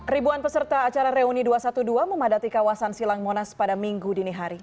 ribuan peserta acara reuni dua ratus dua belas memadati kawasan silang monas pada minggu dini hari